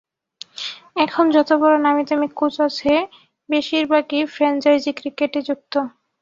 এখন যত বড় নামীদামি কোচ আছে, বেশির ভাগই ফ্র্যাঞ্চাইজি ক্রিকেটে যুক্ত।